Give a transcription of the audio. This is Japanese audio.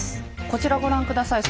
こちらご覧下さい。